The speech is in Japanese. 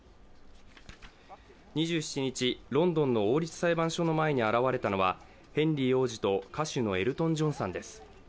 ２７日、ロンドンの王立裁判所の前に現れたのはヘンリー王子と歌手のエルトン・ジョンさんです。